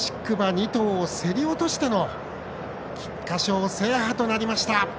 ２頭を競り落としての菊花賞制覇となりました。